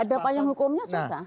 ada panjang hukumnya susah